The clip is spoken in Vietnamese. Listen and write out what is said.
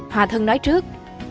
hòa thân nói trước